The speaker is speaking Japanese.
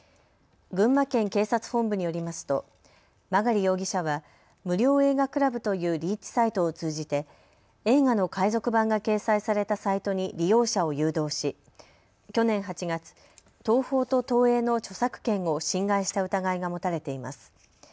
群馬県警察本部によりますと曲容疑者は無料映画倶楽部というリーチサイトを通じて映画の海賊版が掲載されたサイトに利用者を誘導し去年８月、東宝と東映の著作権を侵害した疑いが持たれています。